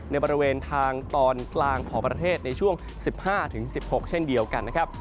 ในบริเวณทางตอนกลางของประเทศในช่วง๑๕๑๖เช่นเดียวกันนะครับ